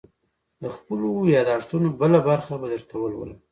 _د خپلو ياد دښتونو بله برخه به درته ولولم.